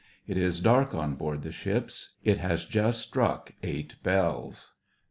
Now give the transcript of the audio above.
It is dark on board the ships ; it has just struck eight bells.